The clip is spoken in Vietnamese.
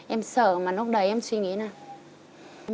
em sợ mà lúc đấy em suy nghĩ này